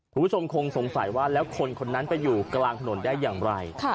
คุณผู้ชมคงสงสัยว่าแล้วคนคนนั้นไปอยู่กลางถนนได้อย่างไร